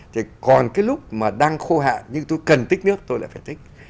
thì còn cái lúc mà đang khô hạ nhưng tôi cần tích nước tôi lại phải tích